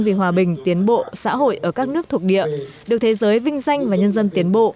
vì hòa bình tiến bộ xã hội ở các nước thuộc địa được thế giới vinh danh và nhân dân tiến bộ